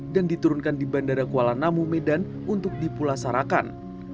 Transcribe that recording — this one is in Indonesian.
dan diturunkan di bandara kuala namu medan untuk dipulasarakan